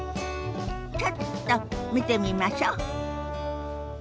ちょっと見てみましょ。